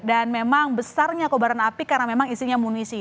dan memang besarnya kebaran api karena memang isinya munisi